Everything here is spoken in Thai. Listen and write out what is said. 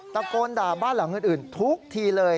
ตะโกนด่าบ้านหลังอื่นทุกทีเลย